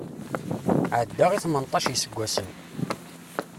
Ɛeddaɣ i tmenṭac isaggasen.